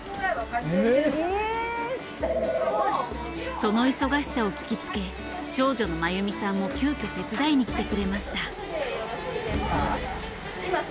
その忙しさを聞きつけ長女の真弓さんも急遽手伝いに来てくれました。